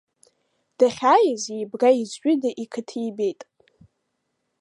Дахьааиз еибга-еизҩыда иқыҭа ибеит.